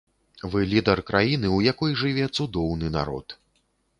Вы лідар краіны, у якой жыве цудоўны народ.